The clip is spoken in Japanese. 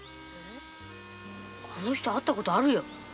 あの人会ったことあるよ。